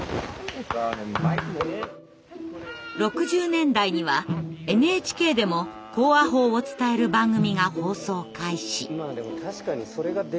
６０年代にはＮＨＫでも口話法を伝える番組が放送開始。